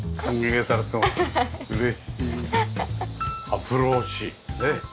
アプローチねえ。